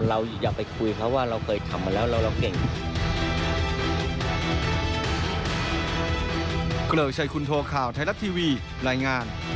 เราอยากไปคุยเขาว่าเราเคยทำมาแล้วเราเก่ง